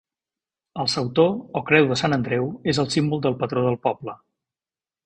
El sautor, o creu de Sant Andreu, és el símbol del patró del poble.